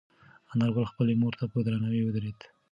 انارګل خپلې مور ته په درناوي ودرېد.